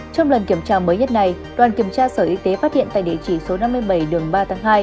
trong lần kiểm tra mới nhất này đoàn kiểm tra sở y tế phát hiện tại địa chỉ số năm mươi bảy đường ba tháng hai